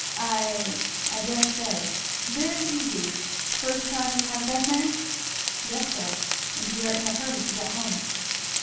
"Ah I dare say. Very easy. First time you have been there?" "Yes sir, and we are in a hurry to get home."